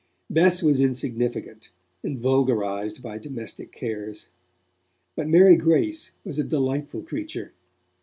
Bess was insignificant, and vulgarized by domestic cares. But Mary Grace was a delightful creature.